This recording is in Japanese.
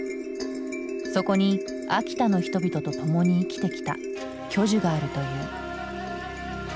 そこに秋田の人々と共に生きてきた巨樹があるという。